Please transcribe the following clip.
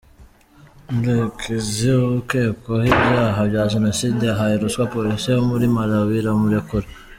Murekezi ukekwaho ibyaha bya Jenoside yahaye ruswa Polisi yo muri Malawi iramurekura.